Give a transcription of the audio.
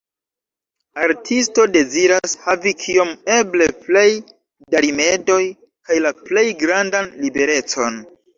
Artisto deziras havi kiom eble plej da rimedoj kaj la plej grandan liberecon.